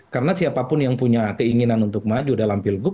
karena siapapun yang punya keinginan untuk maju dalam pilgub